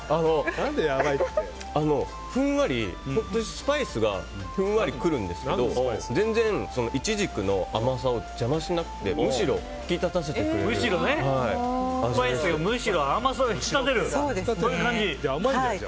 ふんわりスパイスがくるんですけど全然イチジクの甘さを邪魔しなくてむしろ引き立たせてくれる味わいです。